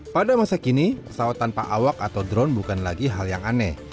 pada masa kini pesawat tanpa awak atau drone bukan lagi hal yang aneh